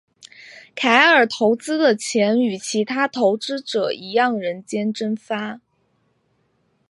凯尔投资的钱与其他投资者一样人间蒸发。